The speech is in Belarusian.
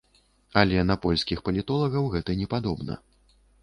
Але на польскіх палітолагаў гэта не падобна.